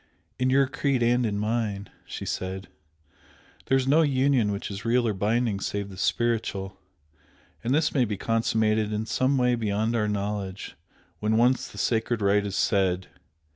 "In your Creed and in mine," she said "there is no union which is real or binding save the Spiritual, and this may be consummated in some way beyond our knowledge when once the sacred rite is said.